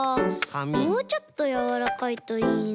もうちょっとやわらかいといいな。